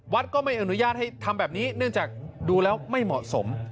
ก็ไม่อนุญาตให้ทำแบบนี้เนื่องจากดูแล้วไม่เหมาะสม